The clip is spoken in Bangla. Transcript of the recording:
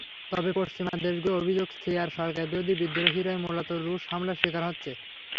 তবে পশ্চিমা দেশগুলোর অভিযোগ, সিরিয়ার সরকারবিরোধী বিদ্রোহীরাই মূলত রুশ হামলার শিকার হচ্ছে।